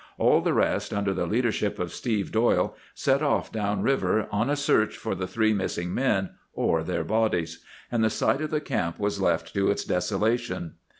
All the rest, under the leadership of Steve Doyle, set off down river on a search for the three missing men, or their bodies. And the site of the camp was left to its desolation.